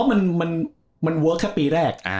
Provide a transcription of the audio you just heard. ผมว่ามันเวิร์คแค่ปีแรก